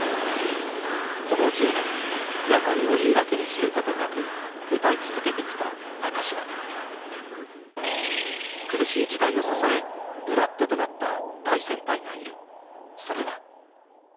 この１０年病を言い訳にすることなく歌い続けて来た中島苦しい時代を支え ＢＬＯＯＤ となった大先輩がいるそれは